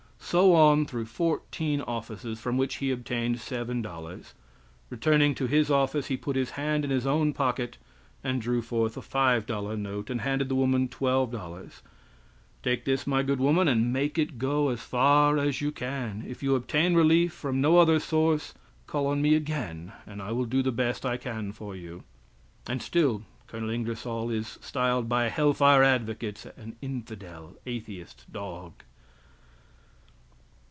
So on through fourteen offices, from which he obtained $7. Returning to his office, he put his hand in his own pocket and drew forth a $5 note, and handed the woman $12. "Take this, my good woman, and make it go as far as you can. If you obtain relief from no other source, call on me again and I will do the best I can for you!" And still Col. Ingersoll is styled by hell fire advocates an infidel, atheist, dog!